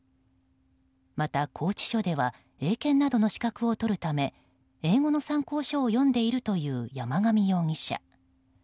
また拘置所では英検などの資格を取るため英語の参考書を読んでいるという山上容疑者。